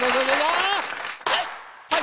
はい！